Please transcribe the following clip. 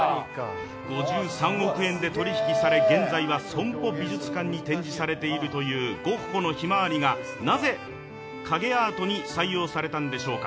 ５３億円で取り引きされ、現在はＳＯＭＰＯ美術館に展示されているというゴッホの「ひまわり」が、なぜ影アートに採用されたんでしょうか。